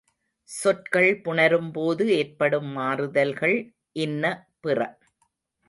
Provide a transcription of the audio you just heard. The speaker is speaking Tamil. சொற்கள் புணரும்போது ஏற்படும் மாறுதல்கள் இன்ன பிற.